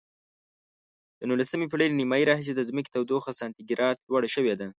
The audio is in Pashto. د نولسمې پیړۍ له نیمایي راهیسې د ځمکې تودوخه سانتي ګراد لوړه شوې ده.